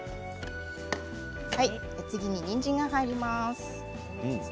次に、にんじんが入ります。